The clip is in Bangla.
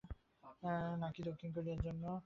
নাকি দক্ষিণ কোরিয়ার জন্যে?